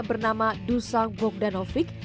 bernama dusan bogdanovic